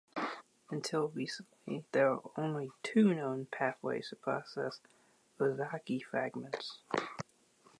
Until recently, there were only two known pathways to process Okazaki fragments.